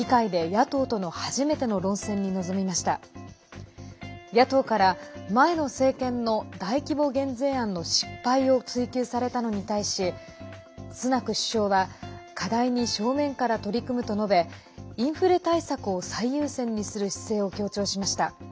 野党から前の政権の大規模減税案の失敗を追及されたのに対しスナク首相は課題に正面から取り組むと述べインフレ対策を最優先にする姿勢を強調しました。